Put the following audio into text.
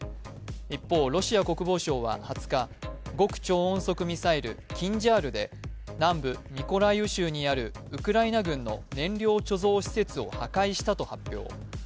一方、ロシア国防省は２０日、極超音速ミサイル・キンジャールで南部ミコライウ州にあるウクライナ軍の燃料貯蔵施設を破壊したと発表。